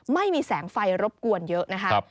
ไม่มีแสงไฟรบกวนเยอะนะครับ